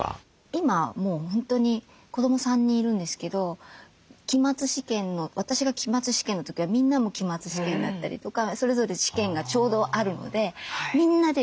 今もう本当に子ども３人いるんですけど私が期末試験の時はみんなも期末試験だったりとかそれぞれ試験がちょうどあるのでみんなで勉強するんですよ。